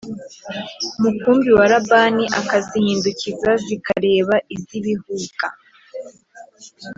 Mukumbi wa labani akazihindukiza zikareba iz ibihuga